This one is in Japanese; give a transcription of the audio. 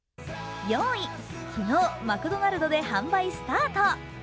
４位、昨日マクドナルドで販売スタート！